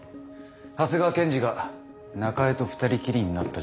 長谷川検事が中江と二人きりになった時間がある」。